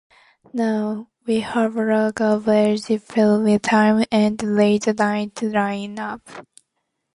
Now, we have a garbage primetime and late-night lineup.